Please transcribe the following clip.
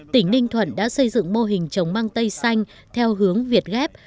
tỉnh ninh thuận đã xây dựng mô hình trồng mang tây xanh theo hướng việt ghép